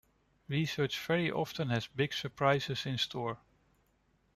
Research very often has big surprises in store.